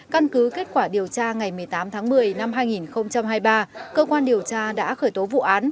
căn cứ kết quả điều tra ngày một mươi tám tháng một mươi năm hai nghìn hai mươi ba cơ quan điều tra đã khởi tố vụ án